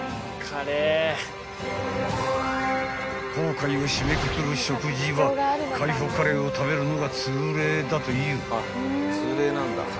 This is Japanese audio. ［航海を締めくくる食事は海保カレーを食べるのが通例だという］